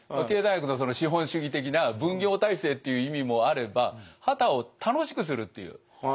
経済学の資本主義的な分業体制っていう意味もあれば傍を楽しくするっていう。